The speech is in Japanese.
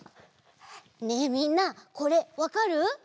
ねえみんなこれわかる？